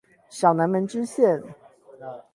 小南門支線